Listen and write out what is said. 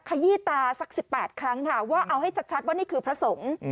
ขยี้ตาสัก๑๘ครั้งค่ะว่าเอาให้ชัดว่านี่คือพระสงฆ์